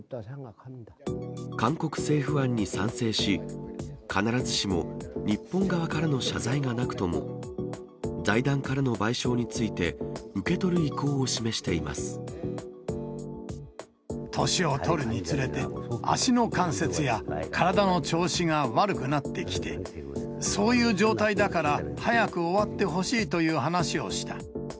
韓国政府案に賛成し、必ずしも日本側からの謝罪がなくとも、財団からの賠償について、年を取るにつれて、足の関節や体の調子が悪くなってきて、そういう状態だから、早く終わってほしいという話をした。